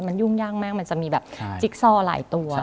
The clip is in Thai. มันยุ่งยากมากมันจะมีแบบจิ๊กซอหลายตัว